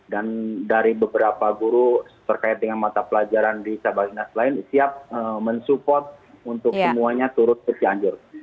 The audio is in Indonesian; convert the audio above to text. dan dari beberapa guru terkait dengan mata pelajaran di sabang dinas lain siap mensupport untuk semuanya turut ke janjur